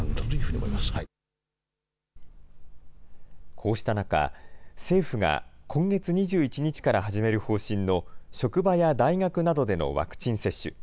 こうした中、政府が、今月２１日から始める方針の職場や大学などでのワクチン接種。